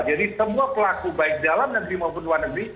jadi semua pelaku baik dalam negeri maupun luar negeri